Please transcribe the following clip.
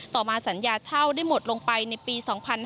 ต่อมาสัญญาเช่าได้หมดลงไปในปี๒๕๕๙